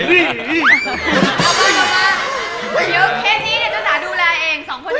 เดี๋ยวเท้นนี้เค้าจะสาดูแลเอง